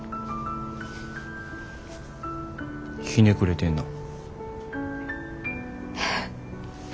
ひねくれてんなぁ。